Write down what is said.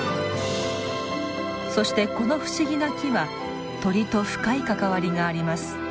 そしてこの不思議な木は鳥と深い関わりがあります。